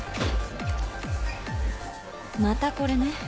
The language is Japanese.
またこれね。